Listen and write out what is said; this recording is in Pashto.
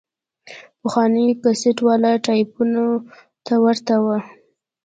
پخوانيو کسټ والا ټايپونو ته ورته وه.